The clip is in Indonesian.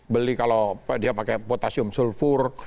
beli kalau dia pakai potasium sulfur